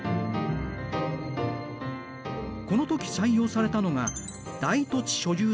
この時採用されたのが大土地所有制という制度。